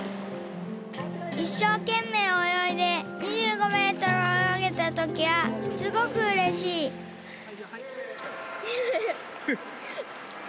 いっしょうけんめいおよいで２５メートルおよげたときはすごくうれしいハハハ。